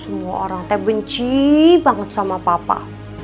semua orang teh benci banget sama papa